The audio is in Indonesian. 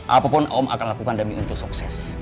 apapun om akan lakukan demi untuk sukses